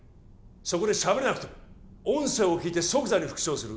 そこで喋れなくても音声を聞いて即座に復唱する